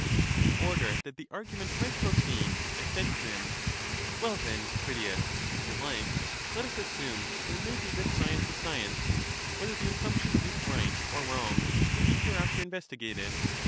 In order that the argu ment might proceed, I said to him. Well then, Critias, if you hke, let us assume that there may be this science of science; whether the assumption is right or wrong may be hereafter investigated.